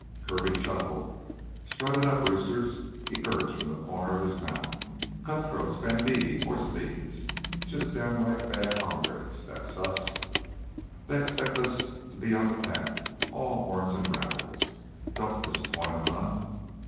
Kirby chuckled. "Strut it up, roosters," he urged from the corner of his mouth. "Cutthroats, banditti, hoss thieves jus' downright bad hombres, that's us. They expect us to be on the peck, all horns an' rattles. Don't disappoint 'em none!